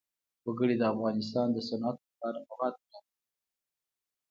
وګړي د افغانستان د صنعت لپاره مواد برابروي.